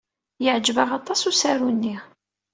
Yeɛjeb-aɣ aṭas usaru-nni.